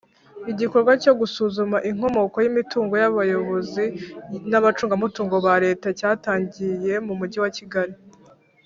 Igikorwa cyo gusuzuma inkomoko y’imitungo y’abayobozi n’abacungamutungo ba Leta cyatangiye mu Mujyi wa Kigali